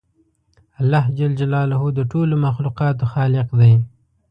الله جل جلاله د ټولو مخلوقاتو خالق دی